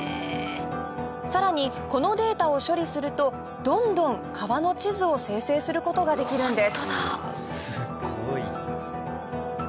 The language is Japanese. さらにこのデータを処理するとどんどん川の地図を生成することができるんです